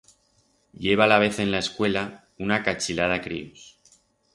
I heba alavez en la escuela una cachilada críos.